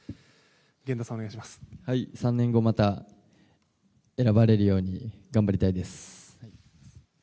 ３年後、また選ばれるよう頑張りたいです。